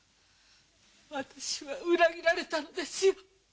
私は裏切られたのですよ。